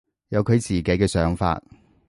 有佢自己嘅想法